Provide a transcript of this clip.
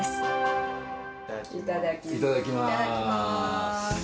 いただきます。